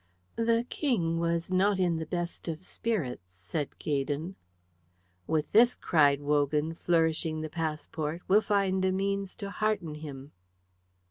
"The King was not in the best of spirits," said Gaydon. "With this," cried Wogan, flourishing the passport, "we'll find a means to hearten him."